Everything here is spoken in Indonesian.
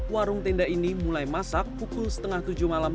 warung tenda ini mulai masak pukul setengah tujuh malam